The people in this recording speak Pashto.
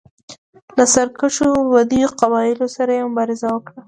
له سرکښو بدوي قبایلو سره یې مبارزه وکړه.